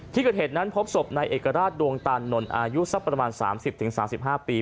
ที่กับเหตุนั้นพบศพในเอกราชดวงตานนท์อายุสักประมาณสามสิบถึงสามสิบห้าปี